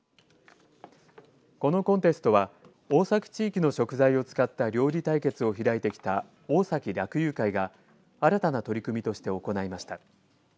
このコンテストは大崎地域の食材を使った料理対決を開いてきたおおさき楽友会が新たな取り組みとして行いました。